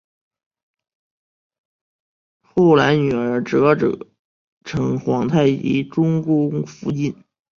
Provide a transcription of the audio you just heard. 后来女儿哲哲成皇太极的中宫福晋。